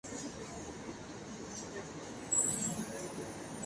Troy Randall Brown Jr.